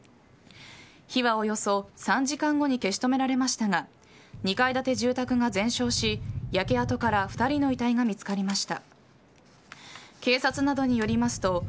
火はおよそ３時間後に消し止められましたが２階建て住宅が全焼し焼け跡から２人の遺体が見つかりました。